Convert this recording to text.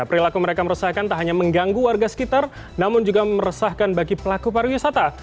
perilaku mereka meresahkan tak hanya mengganggu warga sekitar namun juga meresahkan bagi pelaku pariwisata